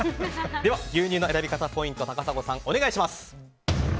では牛乳の選び方ポイント高砂さん、お願いします。